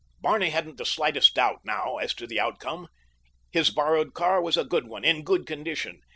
Barney hadn't the slightest doubt now as to the outcome. His borrowed car was a good one, in good condition.